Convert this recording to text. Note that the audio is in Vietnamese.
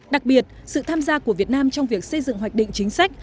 đặc biệt sự tham gia của việt nam trong việc xây dựng hoạch định chính sách